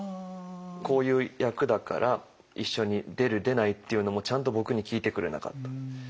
「こういう役だから一緒に出る出ないっていうのもちゃんと僕に聞いてくれなかった」。